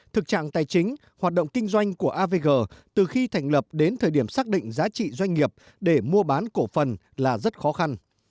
thực trạng tài chính hoạt động kinh doanh của avg từ khi thành lập đến thời điểm xác định giá trị doanh nghiệp để mua bán cổ phần là rất khó khăn